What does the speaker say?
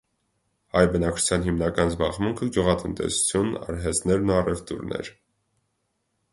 Հայ բնակչության հիմնական զբաղմունքը գյուղատնտեսություն, արհեստներն ու առևտուրն էր։